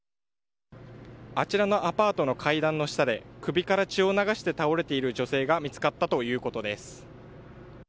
あちらのアパートの階段の下で首から血を流して倒れている女性が見つかったということです。